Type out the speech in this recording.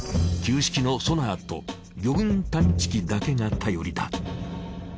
旧式のソナーと魚群探知機だけが頼りだ。